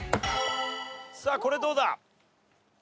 さあこれどうだ？